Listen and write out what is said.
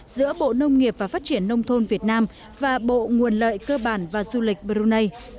giữa bộ nông nghiệp và phát triển nông thôn việt nam và bộ nguồn lợi cơ bản và du lịch brunei